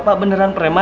bapak beneran preman